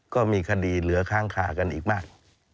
ก็มีคดีเหลือค้างคากันอีกมาก